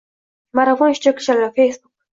Marafon ishtirokchilari © facebook